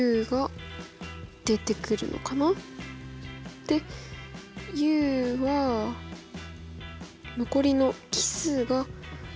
でＵは残りの奇数が入るはず。